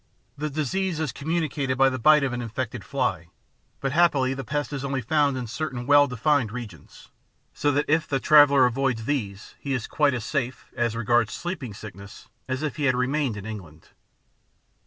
The disease is communicated by the bite of an infected fly, but happily this pest is only found in certain well defined regions, so that if the traveller avoids these he is quite as safe, as regards sleeping sickness, as if he had remained in England.